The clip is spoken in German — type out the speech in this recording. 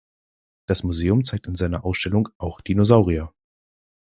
Das Museum zeigt in seiner Ausstellung auch Dinosaurier.